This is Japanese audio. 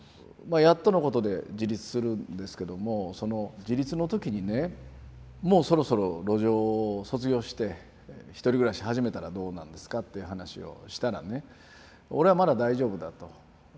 やっとのことで自立するんですけどもその自立の時にねもうそろそろ路上を卒業して一人暮らし始めたらどうなんですか？っていう話をしたらね俺はまだ大丈夫だと。